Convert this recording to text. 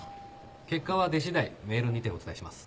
結果は出しだいメールにてお伝えします。